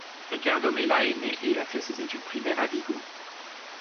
Ricardo Mella est né et a fait ses études primaires à Vigo.